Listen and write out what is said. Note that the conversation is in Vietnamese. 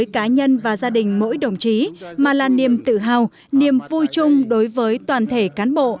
cá nhân và gia đình mỗi đồng chí mà là niềm tự hào niềm vui chung đối với toàn thể cán bộ